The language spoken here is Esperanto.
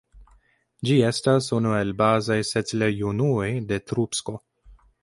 Ĝi estas unu el bazaj setlejunuoj de Troubsko.